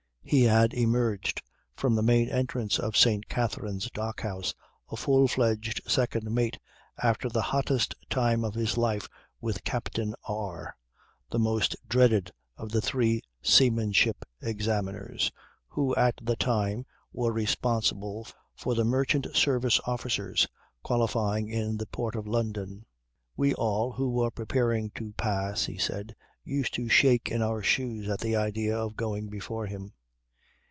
He had emerged from the main entrance of St. Katherine's Dock House a full fledged second mate after the hottest time of his life with Captain R , the most dreaded of the three seamanship Examiners who at the time were responsible for the merchant service officers qualifying in the Port of London. "We all who were preparing to pass," he said, "used to shake in our shoes at the idea of going before him.